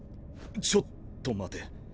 ちょっと待て。